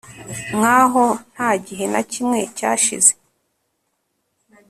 nkaho nta gihe na kimwe cyashize